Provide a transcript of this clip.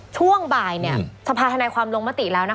ช่วงบ่ายเนี่ยสภาทนายความลงมาติแล้วนะคะ